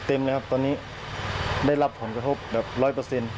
เต็มเลยครับตอนนี้ได้รับผลกระทบแบบร้อยเปอร์เซ็นต์